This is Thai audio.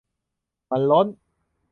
มันล้น